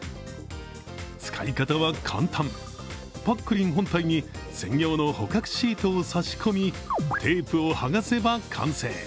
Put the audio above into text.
使い方は簡単、ぱっくりん本体に専用の捕獲シートを差し込みテープをはがせば完成。